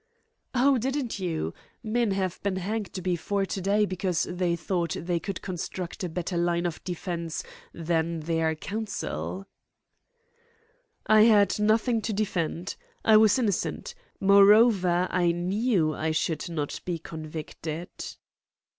"Oh, didn't you? Men have been hanged before to day because they thought they could construct a better line of defence than their counsel." "I had nothing to defend. I was innocent. Moreover, I knew I should not be convicted."